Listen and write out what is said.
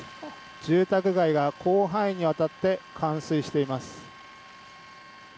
住宅街が広範囲にわたって冠水しています。